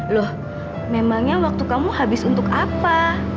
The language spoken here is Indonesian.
loh memangnya waktu kamu habis untuk apa